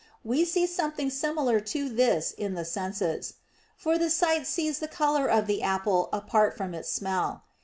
We see something similar to this is in the senses. For the sight sees the color of the apple apart from its smell.